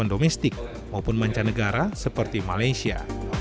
bagi pesawat domestik maupun mancanegara seperti malaysia